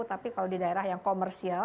tapi kalau di daerah yang komersial